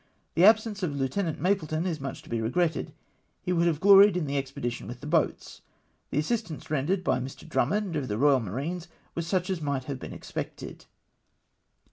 The absence of Lieutenant Mapleton is much to be regretted. He would have gloried in the expedition with the boats. The assist ance rendered by Mr. Drummond of the Eoyal Marines was such as might have been expected.